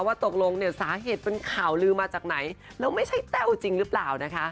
ตกลงเนี่ยสาเหตุเป็นข่าวลือมาจากไหนแล้วไม่ใช่แต้วจริงหรือเปล่านะคะ